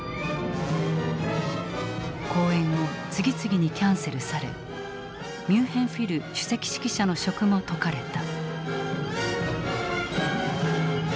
公演を次々にキャンセルされミュンヘン・フィル首席指揮者の職も解かれた。